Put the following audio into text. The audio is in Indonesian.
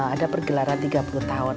ada pergelaran tiga puluh tahun